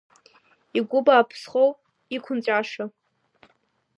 Игәы бааԥсхоу, иқәынҵәаша?